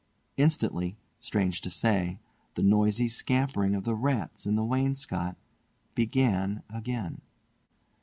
Instantly, strange to say, the noisy scampering of the rats in the wainscot began again.